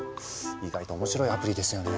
意外と面白いアプリですよね。